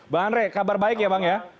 bang andre kabar baik ya bang ya